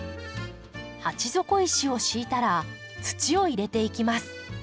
鉢底石を敷いたら土を入れていきます。